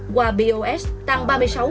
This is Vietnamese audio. qua bos tăng ba mươi sáu sáu mươi năm